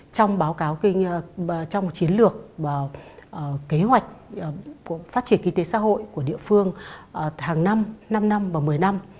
trong báo cáo trong chiến lược và kế hoạch phát triển kỹ tế xã hội của địa phương hàng năm năm năm và một mươi năm